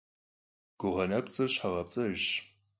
Guğe nepts'ır şheğepts'ejjş.